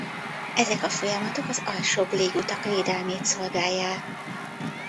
Ezek a folyamatok az alsóbb légutak védelmét szolgálják.